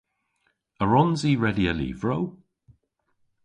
A wrons i redya lyvrow?